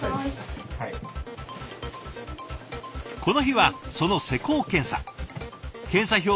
この日はその施工検査。